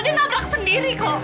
dia nabrak sendiri kok